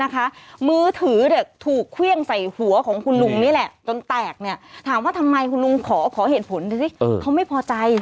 เครื่องใส่หัวของคุณลุงนี่แหละจนแตกเนี่ยถามว่าทำไมคุณลุงขอเขาไม่พอใจ